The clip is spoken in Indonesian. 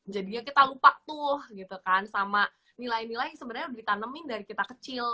jadinya kita lupa tuh gitu kan sama nilai nilai yang sebenarnya udah ditanemin dari kita kecil